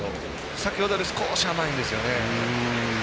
先ほどより少し甘いんですよね。